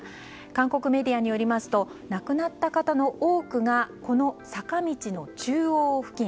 韓国メディアによりますと亡くなった方の多くがこの坂道の中央付近